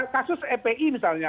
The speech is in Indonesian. kasus epi misalnya